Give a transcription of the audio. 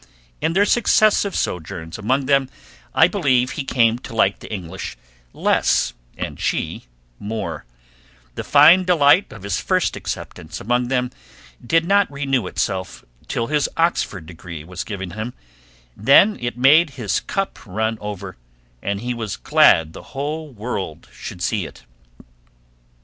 In their successive sojourns among them I believe he came to like the English less and she more; the fine delight of his first acceptance among them did not renew itself till his Oxford degree was given him; then it made his cup run over, and he was glad the whole world should see it.